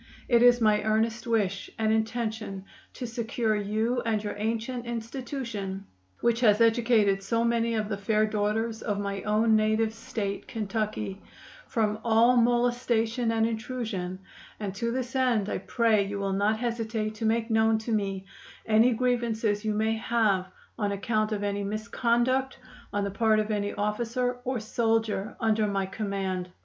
It is my earnest wish and intention to secure you and your ancient institution (which has educated so many of the fair daughters of my own native State, Kentucky), from all molestation and intrusion, and to this end I pray you will not hesitate to make known to me any grievances you may have on account of any misconduct on the part of any officer or soldier under my command.